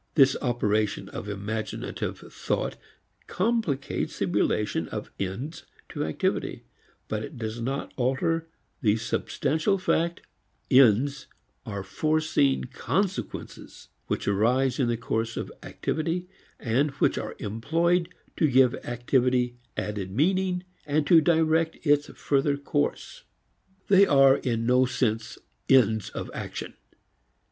This operation of imaginative thought complicates the relation of ends to activity, but it does not alter the substantial fact: Ends are foreseen consequences which arise in the course of activity and which are employed to give activity added meaning and to direct its further course. They are in no sense ends of action.